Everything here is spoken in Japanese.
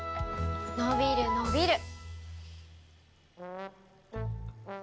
伸びる伸びる。